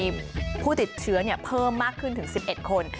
มีผู้ติดเชื้อเพิ่มมากขึ้นถึง๑๑คน